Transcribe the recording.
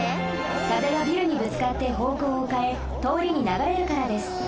風がビルにぶつかってほうこうをかえとおりにながれるからです。